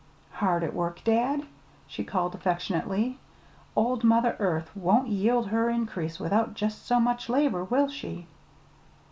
"Hard at work, dad?" she called affectionately. "Old Mother Earth won't yield her increase without just so much labor, will she?"